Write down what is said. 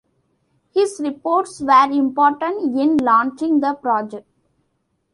His reports were important in launching the project.